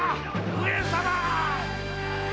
上様！